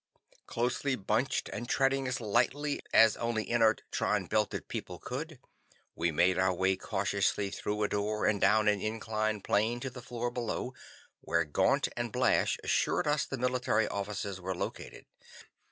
Closely bunched, and treading as lightly as only inertron belted people could, we made our way cautiously through a door and down an inclined plane to the floor below, where Gaunt and Blash assured us the military offices were located.